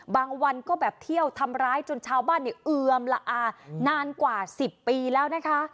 บางวันก็แบบเที่ยวทำร้ายจนชาวบ้านเนี่ยเอือมละอานานกว่า๑๐ปีแล้วนะคะ